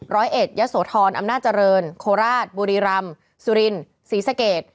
ร้อยเอ็ดยะโสธรอำนาจเจริญโคราชบุรีรำสุรินศรีสเกต